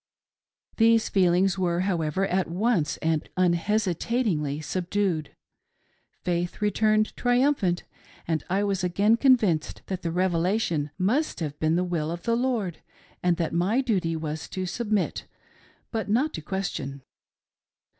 These feelings were, however, at once and un hesitatingly subdued ; Faith returned triumphant and I was again convinced that the Revelation must have been the will of the Lord, and that my duty was to submit but not to ques tion.